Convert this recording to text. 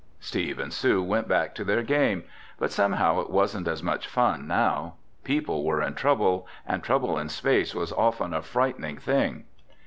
Steve and Sue went back to their game. But somehow it wasn't as much fun now. People were in trouble and trouble in space was often a frightening thing.